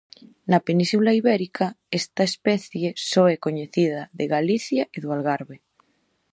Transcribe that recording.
Na península ibérica esta especie só é coñecida de Galicia e do Algarve.